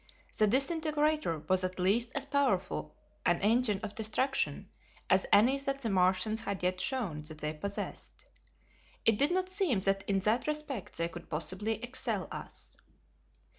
The disintegrator was at least as powerful an engine of destruction as any that the Martians had yet shown that they possessed. It did not seem that in that respect they could possibly excel us.